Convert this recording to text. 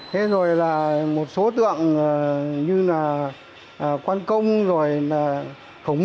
thế rồi là một số tượng như bác hồ tượng cụ trần hưng đạo